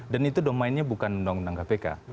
dan itu domainnya bukan undang undang kpk